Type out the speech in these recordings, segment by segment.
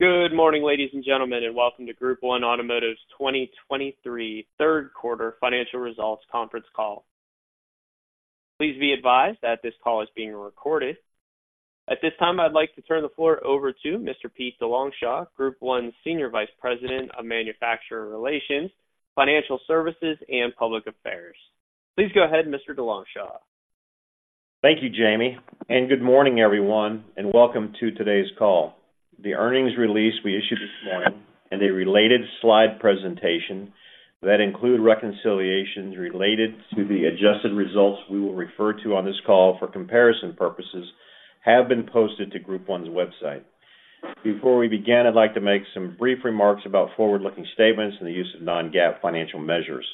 Good morning, ladies and gentlemen, and welcome to Group 1 Automotive's 2023 third quarter financial results conference call. Please be advised that this call is being recorded. At this time, I'd like to turn the floor over to Mr. Pete DeLongchamps, Group 1 Senior Vice President of Manufacturer Relations, Financial Services, and Public Affairs. Please go ahead, Mr. DeLongchamps. Thank you, Jamie, and good morning, everyone, and welcome to today's call. The earnings release we issued this morning and a related slide presentation that include reconciliations related to the adjusted results we will refer to on this call for comparison purposes, have been posted to Group 1's website. Before we begin, I'd like to make some brief remarks about forward-looking statements and the use of non-GAAP financial measures.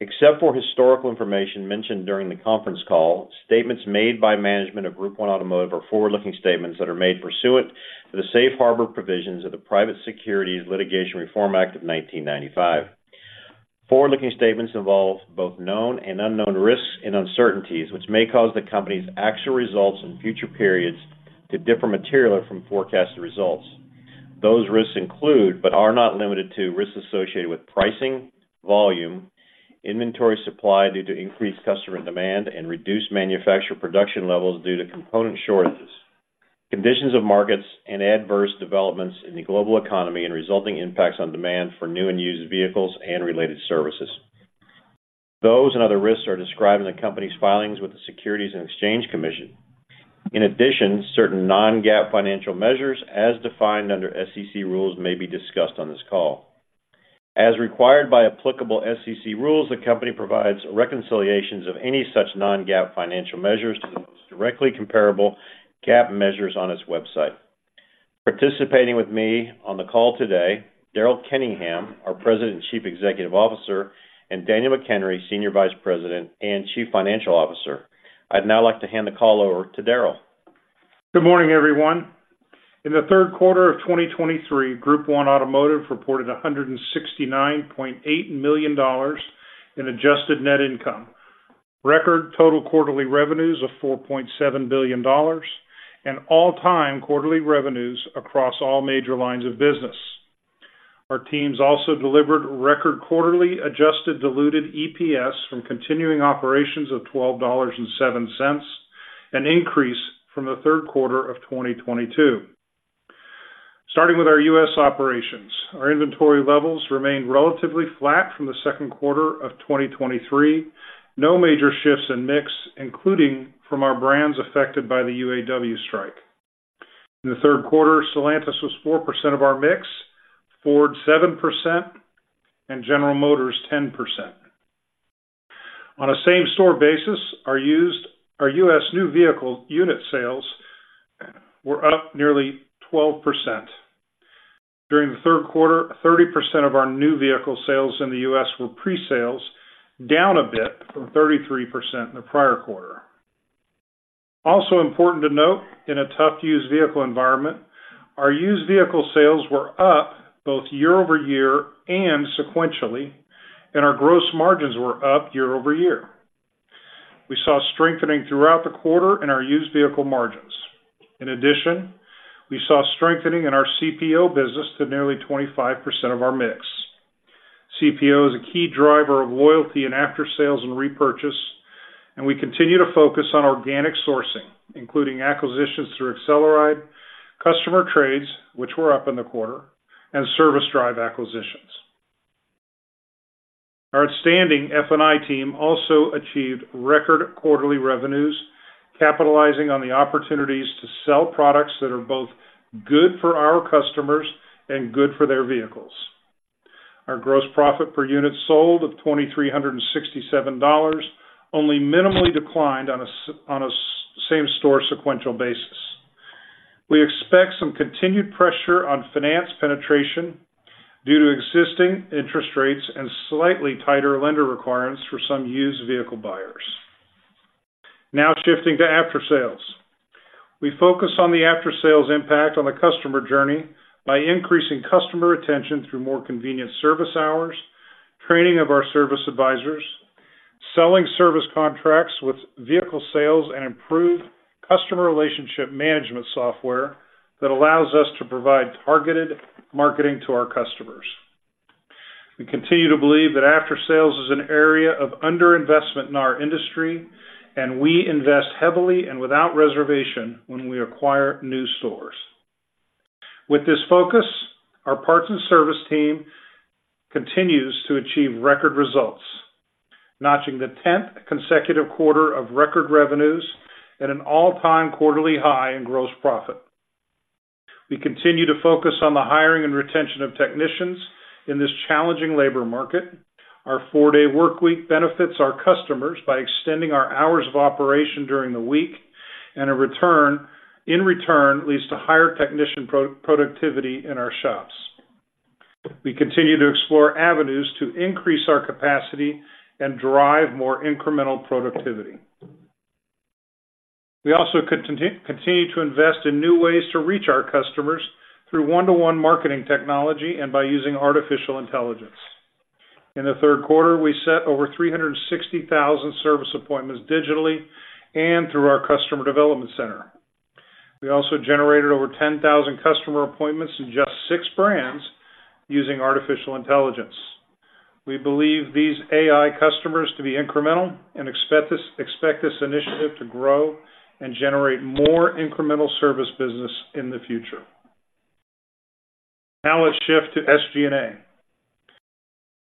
Except for historical information mentioned during the conference call, statements made by management of Group 1 Automotive are forward-looking statements that are made pursuant to the Safe Harbor Provisions of the Private Securities Litigation Reform Act of 1995. Forward-looking statements involve both known and unknown risks and uncertainties, which may cause the company's actual results in future periods to differ materially from forecasted results. Those risks include, but are not limited to, risks associated with pricing, volume, inventory supply due to increased customer demand and reduced manufacturer production levels due to component shortages, conditions of markets, and adverse developments in the global economy, and resulting impacts on demand for new and used vehicles and related services. Those and other risks are described in the company's filings with the Securities and Exchange Commission. In addition, certain non-GAAP financial measures as defined under SEC rules, may be discussed on this call. As required by applicable SEC rules, the company provides reconciliations of any such non-GAAP financial measures to the most directly comparable GAAP measures on its website. Participating with me on the call today, Daryl Kenningham, our President and Chief Executive Officer, and Daniel McHenry, Senior Vice President and Chief Financial Officer. I'd now like to hand the call over to Daryl. Good morning, everyone. In the third quarter of 2023, Group 1 Automotive reported $169.8 million in adjusted net income, record total quarterly revenues of $4.7 billion, and all-time quarterly revenues across all major lines of business. Our teams also delivered record quarterly adjusted diluted EPS from continuing operations of $12.07, an increase from the third quarter of 2022. Starting with our U.S. operations, our inventory levels remained relatively flat from the second quarter of 2023. No major shifts in mix, including from our brands affected by the UAW strike. In the third quarter, Stellantis was 4% of our mix, Ford, 7%, and General Motors, 10%. On a same-store basis, our U.S. new vehicle unit sales were up nearly 12%. During the third quarter, 30% of our new vehicle sales in the U.S. were pre-sales, down a bit from 33% in the prior quarter. Also important to note, in a tough used vehicle environment, our used vehicle sales were up both year-over-year and sequentially, and our gross margins were up year-over-year. We saw strengthening throughout the quarter in our used vehicle margins. In addition, we saw strengthening in our CPO business to nearly 25% of our mix. CPO is a key driver of loyalty and aftersales and repurchase, and we continue to focus on organic sourcing, including acquisitions through AcceleRide, customer trades, which were up in the quarter, and service drive acquisitions. Our outstanding F&I team also achieved record quarterly revenues, capitalizing on the opportunities to sell products that are both good for our customers and good for their vehicles. Our gross profit per unit sold of $2,367 only minimally declined on a same-store sequential basis. We expect some continued pressure on finance penetration due to existing interest rates and slightly tighter lender requirements for some used vehicle buyers. Now shifting to aftersales. We focus on the aftersales impact on the customer journey by increasing customer retention through more convenient service hours, training of our service advisors, selling service contracts with vehicle sales, and improved customer relationship management software that allows us to provide targeted marketing to our customers. We continue to believe that aftersales is an area of underinvestment in our industry, and we invest heavily and without reservation when we acquire new stores. With this focus, our parts and service team continues to achieve record results, notching the 10th consecutive quarter of record revenues at an all-time quarterly high in gross profit. We continue to focus on the hiring and retention of technicians in this challenging labor market. Our four-day workweek benefits our customers by extending our hours of operation during the week, and, in return, leads to higher technician productivity in our shops. We continue to explore avenues to increase our capacity and drive more incremental productivity. We also continue to invest in new ways to reach our customers through one-to-one marketing technology and by using artificial intelligence. In the third quarter, we set over 360,000 service appointments digitally and through our customer development center. We also generated over 10,000 customer appointments in just 6 brands using artificial intelligence. We believe these EV customers to be incremental and expect this, expect this initiative to grow and generate more incremental service business in the future. Now, let's shift to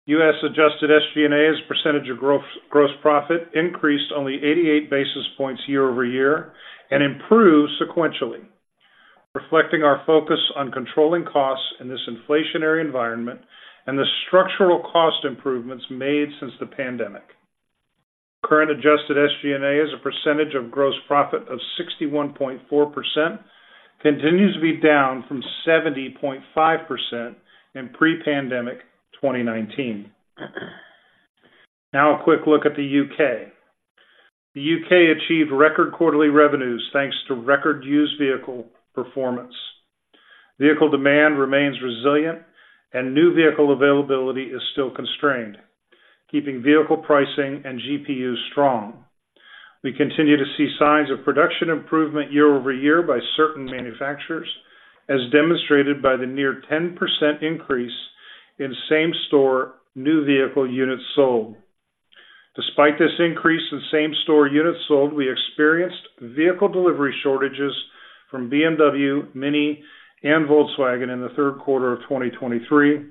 SG&A. U.S. adjusted SG&A as a percentage of gross profit increased only 88 basis points year-over-year and improved sequentially, reflecting our focus on controlling costs in this inflationary environment and the structural cost improvements made since the pandemic. Current adjusted SG&A as a percentage of gross profit of 61.4%, continues to be down from 70.5% in pre-pandemic 2019. Now, a quick look at the U.K.. The U.K. achieved record quarterly revenues thanks to record used vehicle performance. Vehicle demand remains resilient and new vehicle availability is still constrained, keeping vehicle pricing and GPU strong. We continue to see signs of production improvement year-over-year by certain manufacturers, as demonstrated by the near 10% increase in same store new vehicle units sold. Despite this increase in same store units sold, we experienced vehicle delivery shortages from BMW, Mini, and Volkswagen in the third quarter of 2023,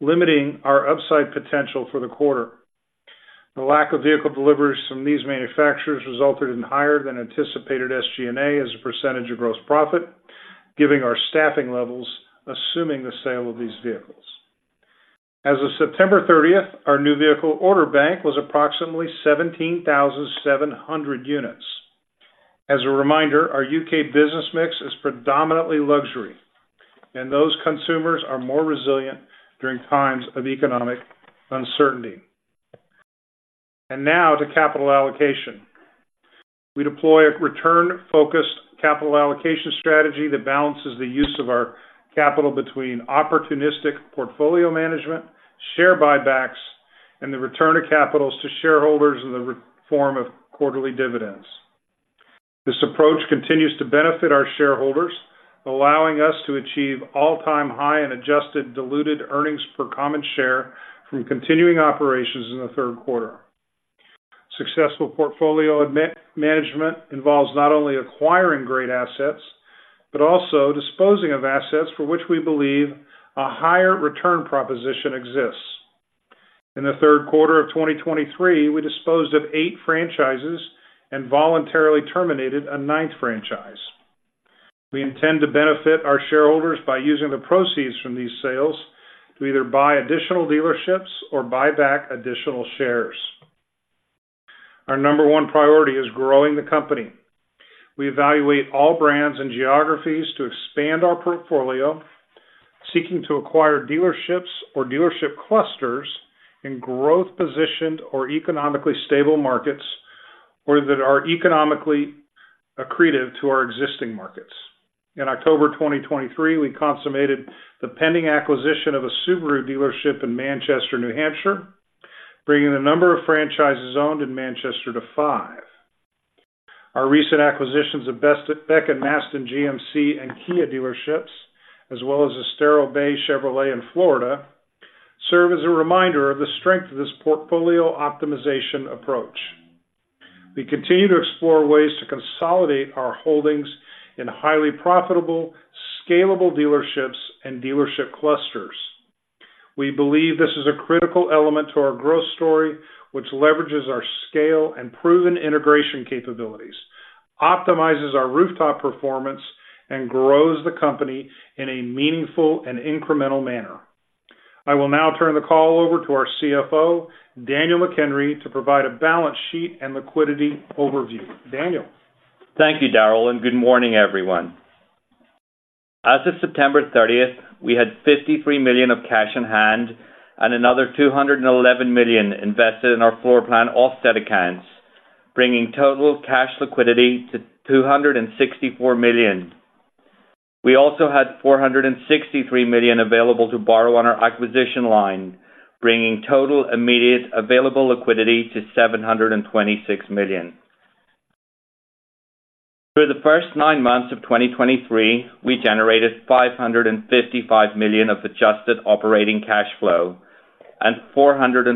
limiting our upside potential for the quarter. The lack of vehicle deliveries from these manufacturers resulted in higher than anticipated SG&A as a percentage of gross profit, giving our staffing levels, assuming the sale of these vehicles. As of September 30th, our new vehicle order bank was approximately 17,700 units. As a reminder, our U.K. business mix is predominantly luxury, and those consumers are more resilient during times of economic uncertainty. And now to capital allocation. We deploy a return-focused capital allocation strategy that balances the use of our capital between opportunistic portfolio management, share buybacks, and the return of capitals to shareholders in the form of quarterly dividends. This approach continues to benefit our shareholders, allowing us to achieve all-time high and adjusted diluted earnings per common share from continuing operations in the third quarter. Successful portfolio management involves not only acquiring great assets, but also disposing of assets for which we believe a higher return proposition exists. In the third quarter of 2023, we disposed of eight franchises and voluntarily terminated a ninth franchise. We intend to benefit our shareholders by using the proceeds from these sales to either buy additional dealerships or buy back additional shares. Our number one priority is growing the company. We evaluate all brands and geographies to expand our portfolio, seeking to acquire dealerships or dealership clusters in growth-positioned or economically stable markets, or that are economically accretive to our existing markets. In October 2023, we consummated the pending acquisition of a Subaru dealership in Manchester, New Hampshire, bringing the number of franchises owned in Manchester to five. Our recent acquisitions of Beck & Masten GMC and Kia dealerships, as well as Estero Bay Chevrolet in Florida, serve as a reminder of the strength of this portfolio optimization approach. We continue to explore ways to consolidate our holdings in highly profitable, scalable dealerships and dealership clusters. We believe this is a critical element to our growth story, which leverages our scale and proven integration capabilities, optimizes our rooftop performance, and grows the company in a meaningful and incremental manner. I will now turn the call over to our CFO, Daniel McHenry, to provide a balance sheet and liquidity overview. Daniel? Thank you, Daryl, and good morning, everyone. As of September 30th, we had $53 million of cash on hand and another $211 million invested in our floor plan offset accounts, bringing total cash liquidity to $264 million. We also had $463 million available to borrow on our acquisition line, bringing total immediate available liquidity to $726 million. Through the first nine months of 2023, we generated $555 million of adjusted operating cash flow and $448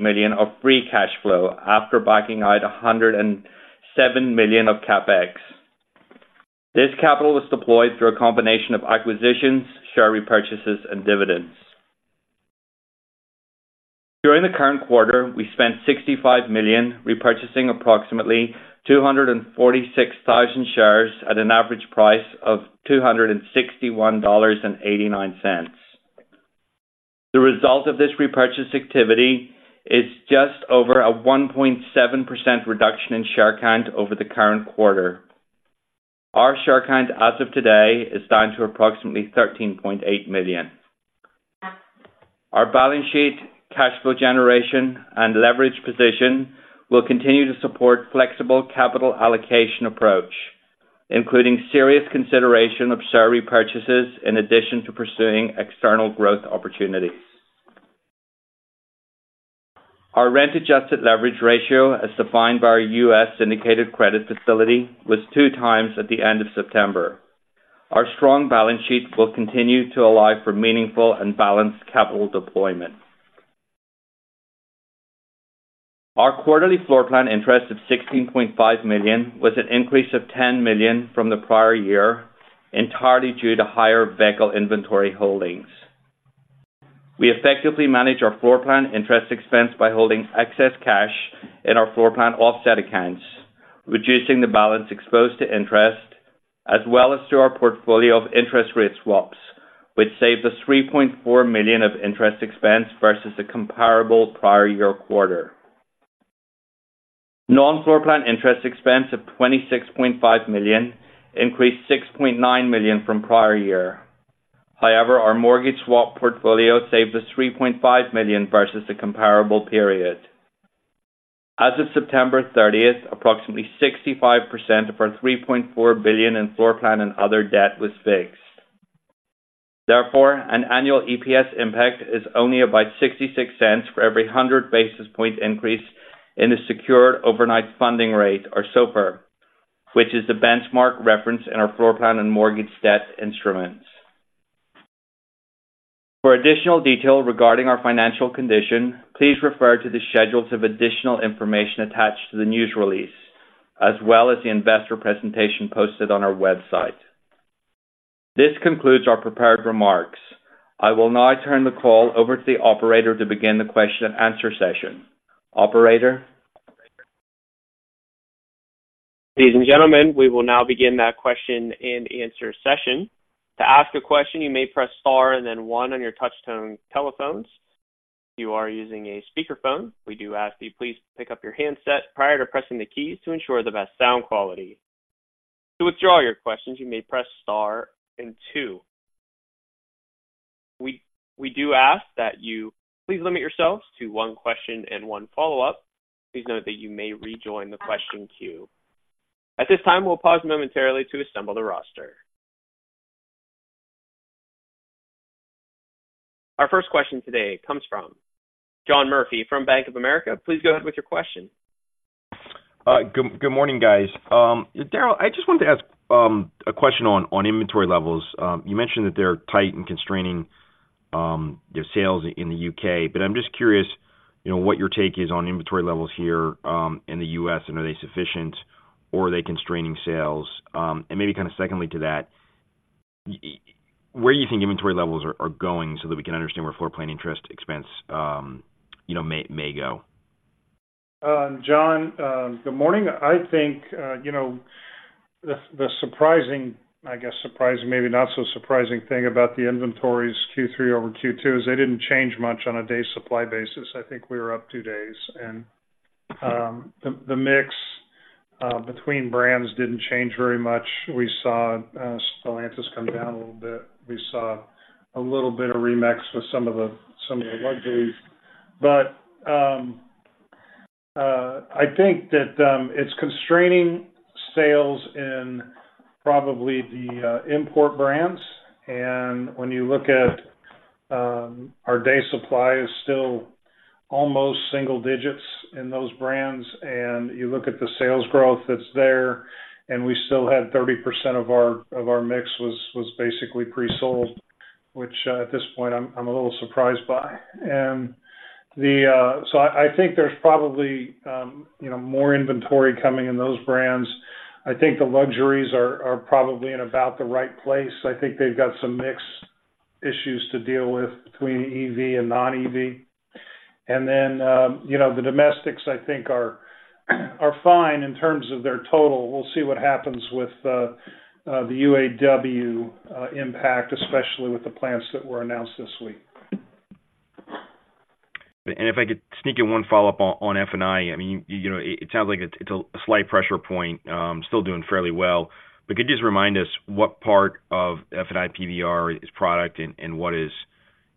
million of free cash flow after backing out $107 million of CapEx. This capital was deployed through a combination of acquisitions, share repurchases and dividends. During the current quarter, we spent $65 million repurchasing approximately 246,000 shares at an average price of $261.89. The result of this repurchase activity is just over a 1.7% reduction in share count over the current quarter. Our share count as of today is down to approximately 13.8 million. Our balance sheet, cash flow generation, and leverage position will continue to support flexible capital allocation approach.... including serious consideration of share repurchases in addition to pursuing external growth opportunities. Our rent-adjusted leverage ratio, as defined by our U.S. syndicated credit facility, was 2x at the end of September. Our strong balance sheet will continue to allow for meaningful and balanced capital deployment. Our quarterly floorplan interest of $16.5 million was an increase of $10 million from the prior year, entirely due to higher vehicle inventory holdings. We effectively manage our floorplan interest expense by holding excess cash in our floorplan offset accounts, reducing the balance exposed to interest, as well as through our portfolio of interest rate swaps, which saved us $3.4 million of interest expense versus the comparable prior year quarter. Non-floorplan interest expense of $26.5 million increased $6.9 million from prior year. However, our mortgage swap portfolio saved us $3.5 million versus the comparable period. As of September thirtieth, approximately 65% of our $3.4 billion in floorplan and other debt was fixed. Therefore, an annual EPS impact is only about $0.66 for every 100 basis point increase in the Secured Overnight Financing Rate, or SOFR, which is the benchmark reference in our floorplan and mortgage debt instruments. For additional detail regarding our financial condition, please refer to the schedules of additional information attached to the news release, as well as the investor presentation posted on our website. This concludes our prepared remarks. I will now turn the call over to the operator to begin the question and answer session. Operator? Ladies and gentlemen, we will now begin that question and answer session. To ask a question, you may press Star and then one on your touchtone telephones. If you are using a speakerphone, we do ask that you please pick up your handset prior to pressing the keys to ensure the best sound quality. To withdraw your questions, you may press Star and two. We do ask that you please limit yourselves to one question and one follow-up. Please note that you may rejoin the question queue. At this time, we'll pause momentarily to assemble the roster. Our first question today comes from John Murphy from Bank of America. Please go ahead with your question. Good, good morning, guys. Daryl, I just wanted to ask a question on inventory levels. You mentioned that they're tight and constraining your sales in the U.K., but I'm just curious, you know, what your take is on inventory levels here in the U.S., and are they sufficient or are they constraining sales? And maybe kind of secondly to that, where do you think inventory levels are going so that we can understand where floor plan interest expense, you know, may go? John, good morning. I think, you know, the surprising, I guess surprising, maybe not so surprising thing about the inventories Q3 over Q2, is they didn't change much on a day supply basis. I think we were up two days. The mix between brands didn't change very much. We saw Stellantis come down a little bit. We saw a little bit of remix with some of the luxuries. But I think that it's constraining sales in probably the import brands. And when you look at our day supply is still almost single digits in those brands, and you look at the sales growth that's there, and we still had 30% of our mix was basically presold, which at this point, I'm a little surprised by. So I think there's probably, you know, more inventory coming in those brands. I think the luxuries are probably in about the right place. I think they've got some mix issues to deal with between EV and non-EV. And then, you know, the domestics, I think, are fine in terms of their total. We'll see what happens with the UAW impact, especially with the plants that were announced this week. If I could sneak in one follow-up on F&I. I mean, you know, it sounds like it's a slight pressure point, still doing fairly well. But could you just remind us what part of F&I PRU is product and what is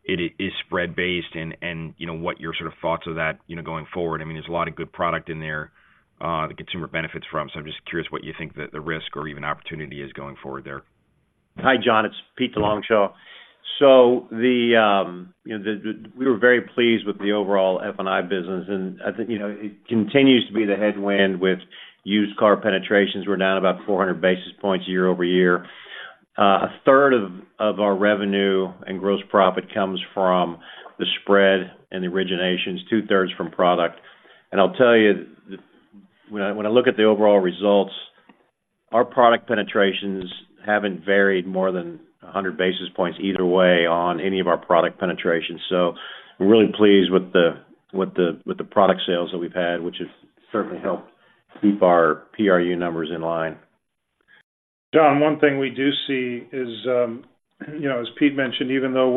it, is spread-based, and you know, what your sort of thoughts of that, you know, going forward? I mean, there's a lot of good product in there, the consumer benefits from. So I'm just curious what you think the risk or even opportunity is going forward there. Hi, John, it's Pete DeLongchamps. So the, you know, we were very pleased with the overall F&I business, and I think, you know, it continues to be the headwind with used car penetrations. We're down about 400 basis points year-over-year. A third of our revenue and gross profit comes from the spread and the originations, two-thirds from product. And I'll tell you, the... When I look at the overall results, our product penetrations haven't varied more than 100 basis points either way on any of our product penetrations. So we're really pleased with the product sales that we've had, which has certainly helped keep our PRU numbers in line. John, one thing we do see is, you know, as Pete mentioned, even though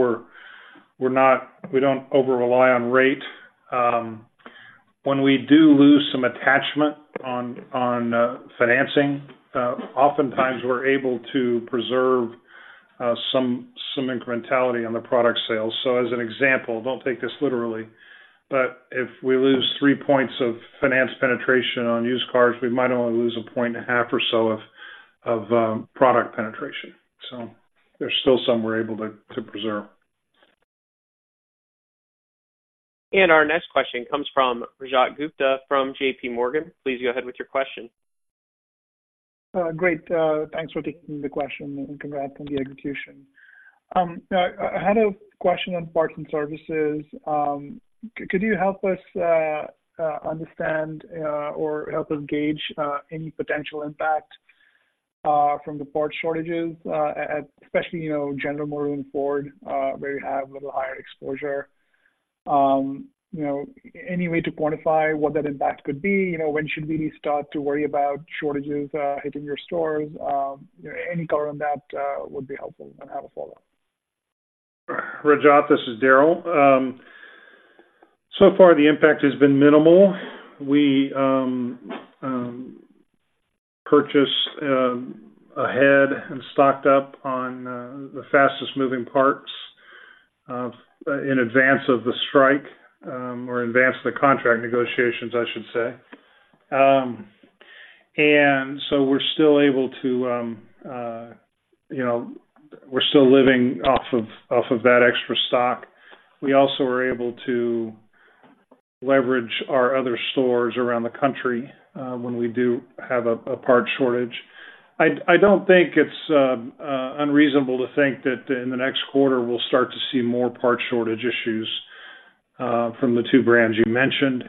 we're not, we don't over rely on rate, when we do lose some attachment on financing, oftentimes we're able to preserve some incrementality on the product sales. So as an example, don't take this literally, but if we lose three points of finance penetration on used cars, we might only lose a point and a half or so of product penetration. So there's still some we're able to preserve. Our next question comes from Rajat Gupta from JPMorgan. Please go ahead with your question. Great. Thanks for taking the question, and congrats on the execution. I had a question on parts and services. Could you help us understand or help us gauge any potential impact from the parts shortages at especially, you know, General Motors and Ford, where you have a little higher exposure? You know, any way to quantify what that impact could be? You know, when should we start to worry about shortages hitting your stores? Any color on that would be helpful. And I have a follow-up. Rajat, this is Daryl. So far, the impact has been minimal. We purchased ahead and stocked up on the fastest moving parts in advance of the strike, or advance the contract negotiations, I should say. And so we're still able to, you know, we're still living off of that extra stock. We also are able to leverage our other stores around the country when we do have a part shortage. I don't think it's unreasonable to think that in the next quarter, we'll start to see more part shortage issues from the two brands you mentioned.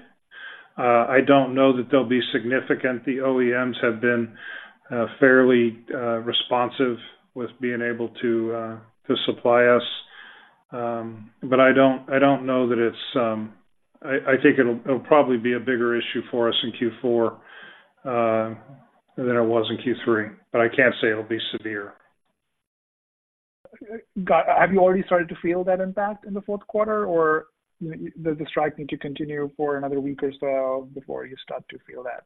I don't know that they'll be significant. The OEMs have been fairly responsive with being able to supply us. But I don't know that it's... I think it'll probably be a bigger issue for us in Q4 than it was in Q3, but I can't say it'll be severe. Got it. Have you already started to feel that impact in the fourth quarter, or does the strike need to continue for another week or so before you start to feel that?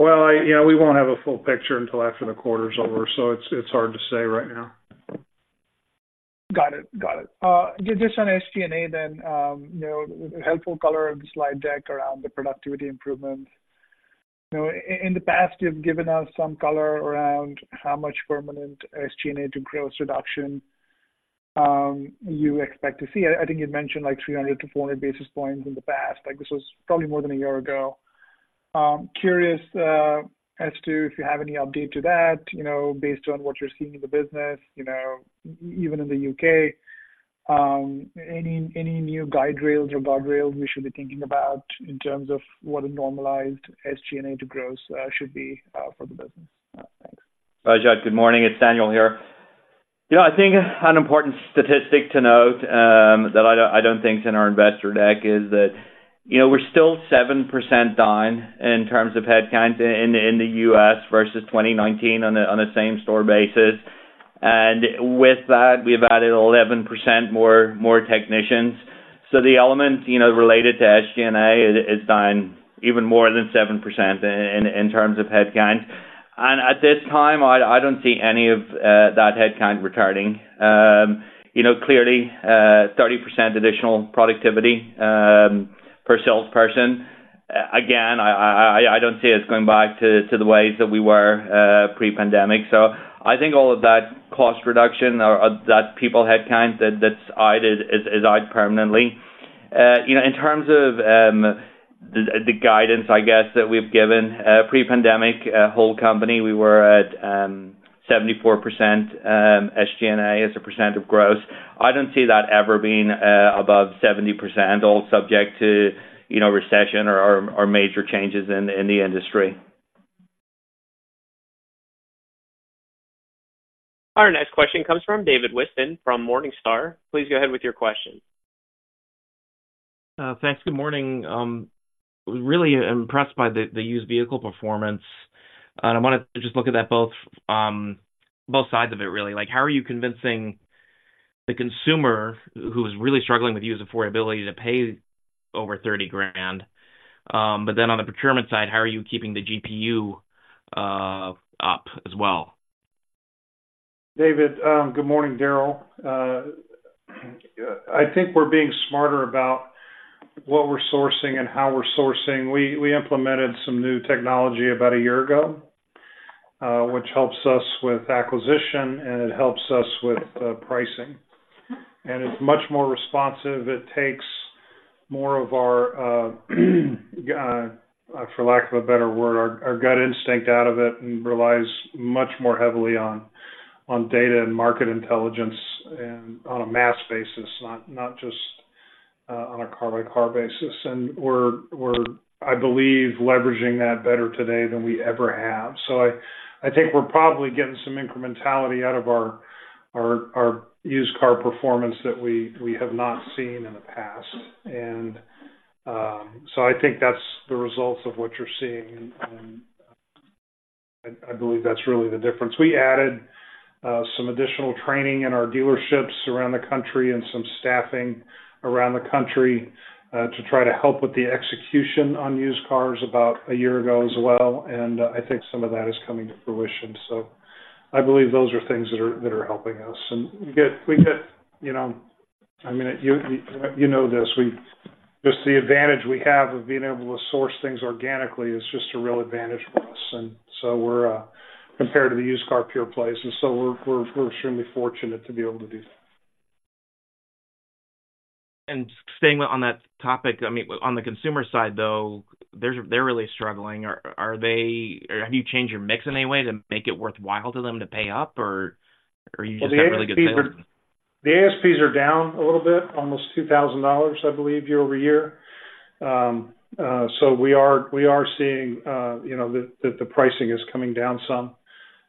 Well, you know, we won't have a full picture until after the quarter's over, so it's, it's hard to say right now. Got it. Got it. Just on SG&A then, you know, helpful color of the slide deck around the productivity improvements. You know, in the past, you've given us some color around how much permanent SG&A to gross reduction you expect to see. I think you'd mentioned, like, 300-400 basis points in the past. Like, this was probably more than a year ago. Curious, as to if you have any update to that, you know, based on what you're seeing in the business, you know, even in the U.K.. Any, any new guide rails or guardrails we should be thinking about in terms of what a normalized SG&A to gross should be for the business? Thanks. Rajat, good morning. It's Daniel here. You know, I think an important statistic to note that I don't think it's in our investor deck is that, you know, we're still 7% down in terms of headcounts in the U.S. versus 2019 on a same-store basis. And with that, we've added 11% more technicians. So the element related to SG&A is down even more than 7% in terms of headcount. And at this time, I don't see any of that headcount returning. You know, clearly, 30% additional productivity per salesperson. Again, I don't see us going back to the ways that we were pre-pandemic. So I think all of that cost reduction or that people headcount that's out is out permanently. You know, in terms of the guidance, I guess, that we've given, pre-pandemic, whole company, we were at 74% SG&A as a percent of gross. I don't see that ever being above 70%, all subject to, you know, recession or major changes in the industry. Our next question comes from David Whiston from Morningstar. Please go ahead with your question. Thanks. Good morning. Really impressed by the used vehicle performance, and I wanted to just look at that both sides of it, really. Like, how are you convincing the consumer who is really struggling with used affordability to pay over $30,000? But then on the procurement side, how are you keeping the GPU up as well? David, good morning. Daryl. I think we're being smarter about what we're sourcing and how we're sourcing. We implemented some new technology about a year ago, which helps us with acquisition, and it helps us with pricing. And it's much more responsive. It takes more of our, for lack of a better word, our gut instinct out of it, and relies much more heavily on data and market intelligence and on a mass basis, not just on a car-by-car basis. And we're, I believe, leveraging that better today than we ever have. So I think we're probably getting some incrementality out of our used car performance that we have not seen in the past. And so I think that's the results of what you're seeing, and I believe that's really the difference. We added some additional training in our dealerships around the country and some staffing around the country to try to help with the execution on used cars about a year ago as well, and I think some of that is coming to fruition. So I believe those are things that are helping us. And we get you know, I mean, you know this. Just the advantage we have of being able to source things organically is just a real advantage for us. And so we're compared to the used car pure plays, and so we're extremely fortunate to be able to do that. Staying on that topic, I mean, on the consumer side, though, there's, they're really struggling. Are, are they, or have you changed your mix in any way to make it worthwhile to them to pay up, or, or you just have really good business? The ASPs are down a little bit, almost $2,000, I believe, year-over-year. So we are seeing, you know, that the pricing is coming down some,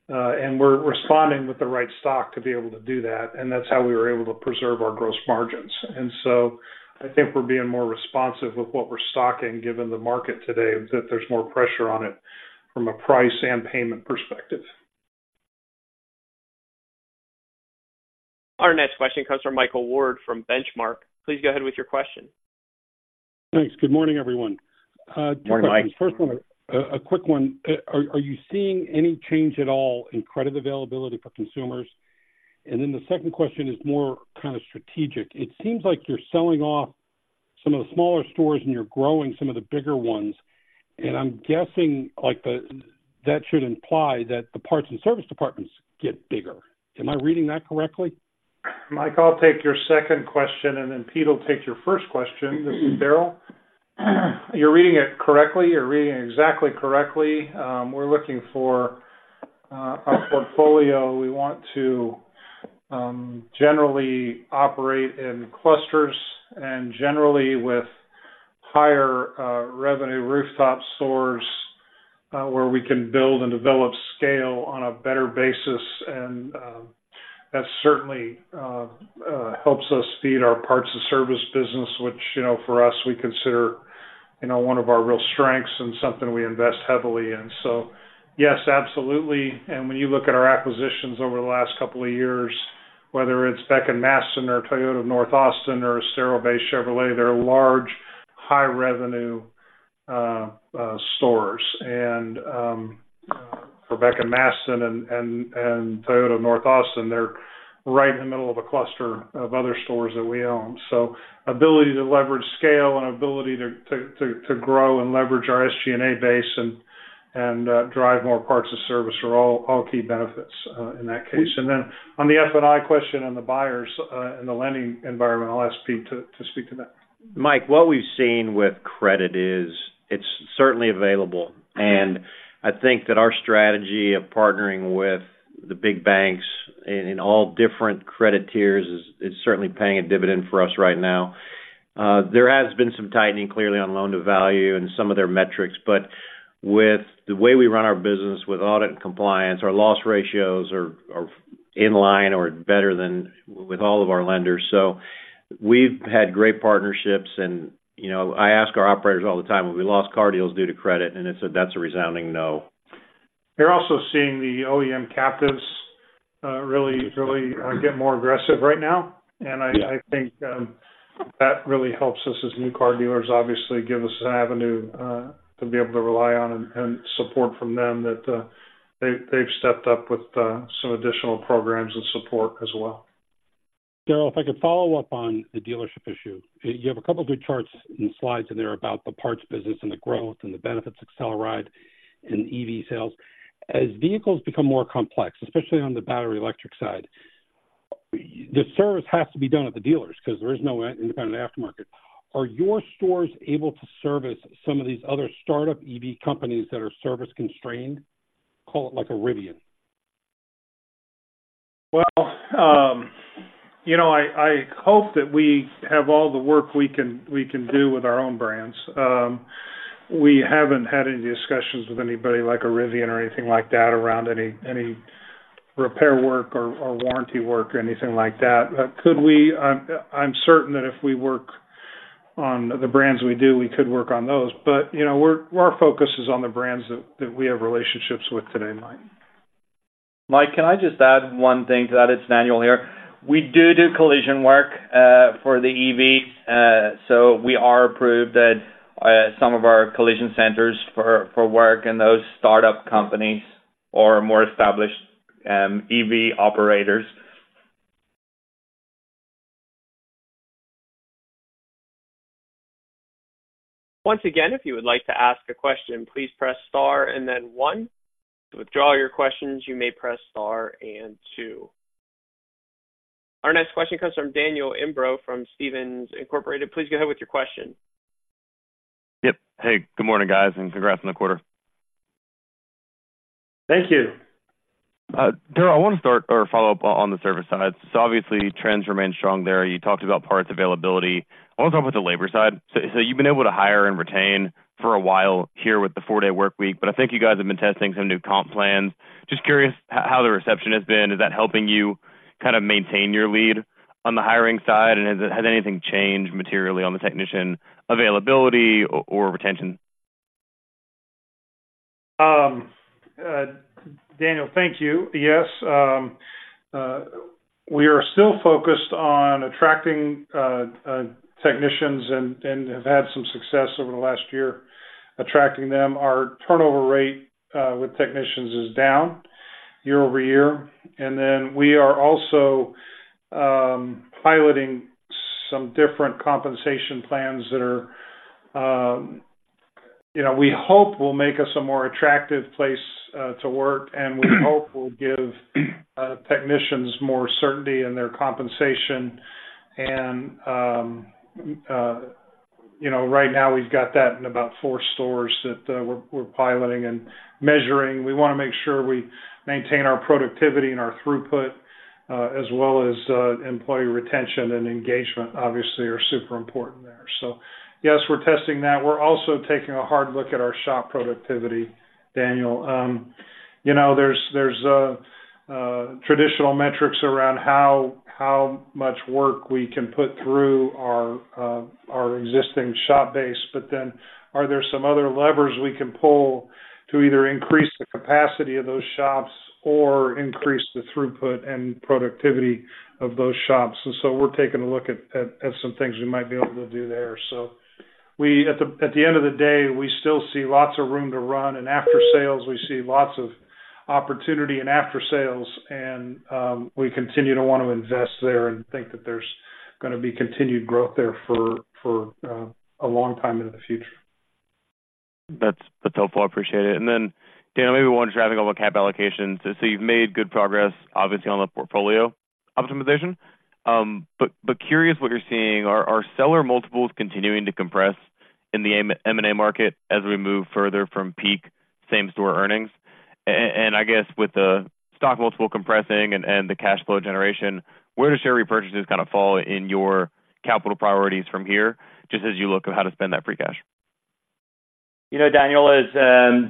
and we're responding with the right stock to be able to do that, and that's how we were able to preserve our gross margins. And so I think we're being more responsive with what we're stocking, given the market today, that there's more pressure on it from a price and payment perspective. Our next question comes from Michael Ward from Benchmark. Please go ahead with your question. Thanks. Good morning, everyone. Good morning, Mike. Two questions. First one, a quick one. Are you seeing any change at all in credit availability for consumers? And then the second question is more kind of strategic. It seems like you're selling off some of the smaller stores, and you're growing some of the bigger ones, and I'm guessing, like, the—that should imply that the parts and service departments get bigger. Am I reading that correctly? Mike, I'll take your second question, and then Pete will take your first question. This is Daryl. You're reading it correctly. You're reading it exactly correctly. We're looking for a portfolio. We want to generally operate in clusters and generally with higher revenue rooftop stores where we can build and develop scale on a better basis. And that certainly helps us feed our parts and service business, which, you know, for us, we consider, you know, one of our real strengths and something we invest heavily in. So yes, absolutely. And when you look at our acquisitions over the last couple of years, whether it's Beck & Masten or Toyota North Austin or Estero Bay Chevrolet, they're large, high-revenue stores. For Beck & Masten and Toyota North Austin, they're right in the middle of a cluster of other stores that we own. So ability to leverage scale and ability to grow and leverage our SG&A base and drive more parts and service are all key benefits in that case. And then on the F&I question on the buyers and the lending environment, I'll ask Pete to speak to that. Mike, what we've seen with credit is it's certainly available, and I think that our strategy of partnering with the big banks in all different credit tiers is certainly paying a dividend for us right now. There has been some tightening, clearly, on loan-to-value and some of their metrics, but with the way we run our business, with audit and compliance, our loss ratios are in line or better than with all of our lenders. So we've had great partnerships and, you know, I ask our operators all the time, "Have we lost car deals due to credit?" And that's a resounding no. We're also seeing the OEM captives, really, really, get more aggressive right now. Yeah. And I think that really helps us as new car dealers, obviously give us an avenue to be able to rely on and support from them that they’ve stepped up with some additional programs and support as well. Daryl, if I could follow up on the dealership issue. You, you have a couple of good charts and slides in there about the parts business and the growth and the benefits of AcceleRide and EV sales. As vehicles become more complex, especially on the battery electric side, the service has to be done at the dealers because there is no independent aftermarket. Are your stores able to service some of these other startup EV companies that are service-constrained, call it like a Rivian? Well, you know, I hope that we have all the work we can do with our own brands. We haven't had any discussions with anybody like a Rivian or anything like that, around any repair work or warranty work or anything like that. Could we? I'm certain that if we work on the brands we do, we could work on those. But, you know, our focus is on the brands that we have relationships with today, Mike. Mike, can I just add one thing to that? It's Manuel here. We do do collision work for the EV, so we are approved at some of our collision centers for work, and those startup companies or more established EV operators. Once again, if you would like to ask a question, please press star and then one. To withdraw your questions, you may press star and two. Our next question comes from Daniel Imbro from Stephens Incorporated. Please go ahead with your question. Yep. Hey, good morning, guys, and congrats on the quarter. Thank you. Daryl, I want to start or follow up on the service side. So obviously, trends remain strong there. You talked about parts availability. I want to talk about the labor side. So you've been able to hire and retain for a while here with the four-day workweek, but I think you guys have been testing some new comp plans. Just curious how the reception has been. Is that helping you kind of maintain your lead on the hiring side? And has anything changed materially on the technician availability or retention? Daniel, thank you. Yes, we are still focused on attracting technicians and have had some success over the last year attracting them. Our turnover rate with technicians is down year-over-year. And then we are also piloting some different compensation plans that are, you know, we hope will make us a more attractive place to work, and we hope will give technicians more certainty in their compensation. And, you know, right now we've got that in about four stores that we're piloting and measuring. We wanna make sure we maintain our productivity and our throughput as well as employee retention and engagement, obviously, are super important there. So yes, we're testing that. We're also taking a hard look at our shop productivity, Daniel. You know, there's traditional metrics around how much work we can put through our existing shop base, but then are there some other levers we can pull to either increase the capacity of those shops or increase the throughput and productivity of those shops? And so we're taking a look at some things we might be able to do there. So, at the end of the day, we still see lots of room to run. And after sales, we see lots of opportunity in after sales, and we continue to want to invest there and think that there's gonna be continued growth there for a long time into the future. That's, that's helpful. I appreciate it. And then, Daniel, maybe one driving over cap allocations. So you've made good progress, obviously, on the portfolio optimization. But, but curious what you're seeing. Are seller multiples continuing to compress in the M&A market as we move further from peak same-store earnings? And I guess with the stock multiple compressing and the cash flow generation, where do share repurchases kind of fall in your capital priorities from here, just as you look at how to spend that free cash? You know, Daniel, as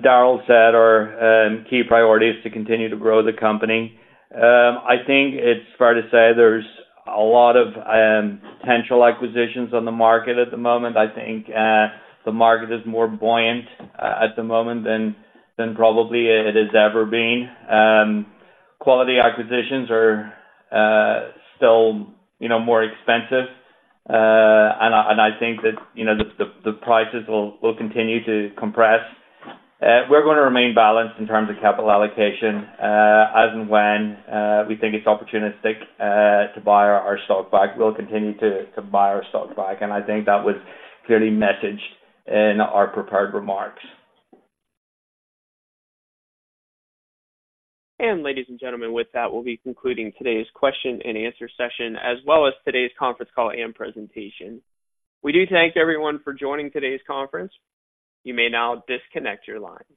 Daryl said, our key priority is to continue to grow the company. I think it's fair to say there's a lot of potential acquisitions on the market at the moment. I think the market is more buoyant at the moment than probably it has ever been. Quality acquisitions are still, you know, more expensive. And I think that, you know, the prices will continue to compress. We're gonna remain balanced in terms of capital allocation. As and when we think it's opportunistic to buy our stock back, we'll continue to buy our stock back, and I think that was clearly messaged in our prepared remarks. Ladies and gentlemen, with that, we'll be concluding today's question and answer session, as well as today's conference call and presentation. We do thank everyone for joining today's conference. You may now disconnect your line.